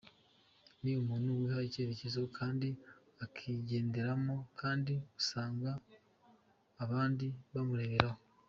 Ni umuntu wiha icyerekezo kandi akakigenderamo kandi usanga abandi bamureberaho.